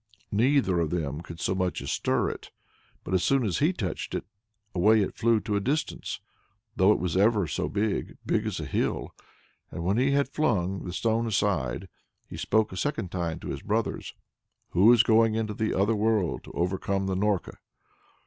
Neither of them could so much as stir it, but as soon as he touched it, away it flew to a distance, though it was ever so big big as a hill. And when he had flung the stone aside, he spoke a second time to his brothers, saying: "Who is going into the other world, to overcome the Norka?"